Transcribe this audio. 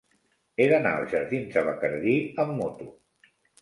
He d'anar als jardins de Bacardí amb moto.